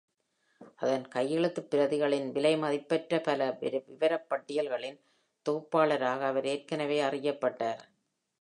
அதன் கையெழுத்துப் பிரதிகளின் விலைமதிப்பற்ற பல விவரப்பட்டியல்களின் தொகுப்பாளராக அவர் ஏற்கனவே அறியப்பட்டார்.